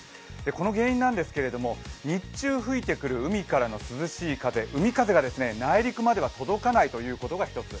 この原因なんですけれども日中吹いてくる海からの涼しい風、海風が内陸までは届かないということが１つ。